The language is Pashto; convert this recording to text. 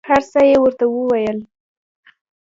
هر څه یې ورته وویل.